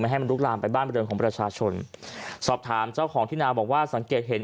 ให้มันลุกลามไปบ้านบริเวณของประชาชนสอบถามเจ้าของที่นาบอกว่าสังเกตเห็น